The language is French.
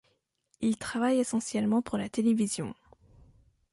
Il travaille essentiellement pour la télévision.